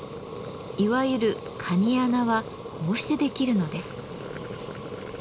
いわゆる「かに穴」はこうしてできるのです。